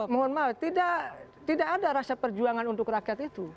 mohon maaf tidak ada rasa perjuangan untuk rakyat itu